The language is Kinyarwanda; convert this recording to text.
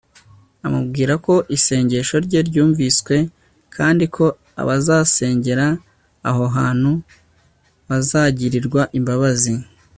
amubwira ko isengesho rye ryumviswe kandi ko abazasengera aho hantu bazagirirwa imbabazi